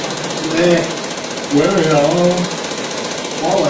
kuna mitazamo maarufu wa kushangaza dhidi ya washirikina wengine wa koo hizi